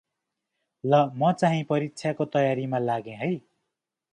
ल म चाहिँ परिक्षाको तयारीमा लागे है ।